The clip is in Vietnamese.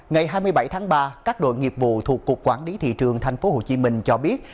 ngày hai mươi bảy tháng ba các đội nghiệp vụ thuộc cục quản lý thị trường tp hcm cho biết